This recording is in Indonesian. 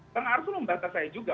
tengah arus lembaga saya juga